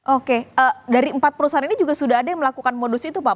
oke dari empat perusahaan ini juga sudah ada yang melakukan modus itu pak